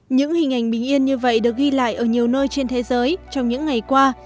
những hình ảnh bình yên như vậy được ghi lại ở nhiều nơi trên thế giới trong những ngày qua